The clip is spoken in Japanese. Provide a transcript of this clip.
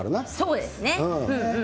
そうですね。